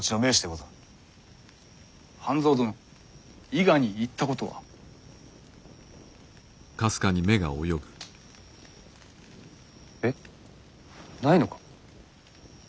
半蔵殿伊賀に行ったことは？えっないのか？